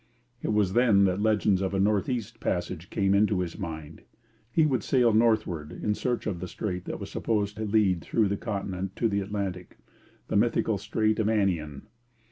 It was then that legends of a North East Passage came into his mind. He would sail northward in search of the strait that was supposed to lead through the continent to the Atlantic the mythical strait of Anian.